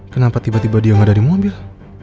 kenapa tiba tiba dia gak ada di mobil